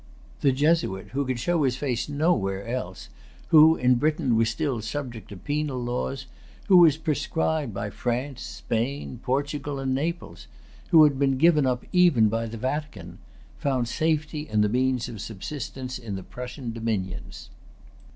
The Jesuit who could show his face nowhere else, who in Britain was still subject to penal laws, who was proscribed by France, Spain, Portugal, and Naples, who had been given up even by the Vatican, found safety and the means of subsistence in the Prussian dominions.